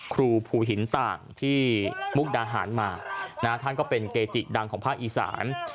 ครูภูหินต่างที่มุกดาหารมาท่านก็เป็นเกจิดังของภาคอีสาน